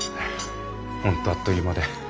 本当あっという間で。